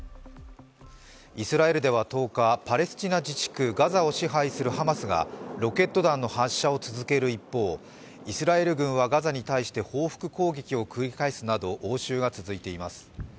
イスラエルでは１０日、パレスチナ自治区ガザを支配するハマスがロケット弾の発射を続ける一方イスラエル軍はガザに対して報復攻撃を繰り返すなど応酬が続いています。